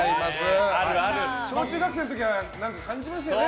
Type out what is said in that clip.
小・中学生の時は何か感じましたよね。